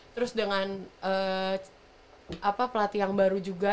terus dengan pelatih yang baru juga